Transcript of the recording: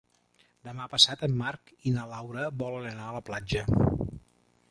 Demà passat en Marc i na Laura volen anar a la platja.